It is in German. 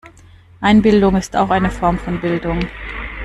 Einbildung ist auch eine Form von Bildung.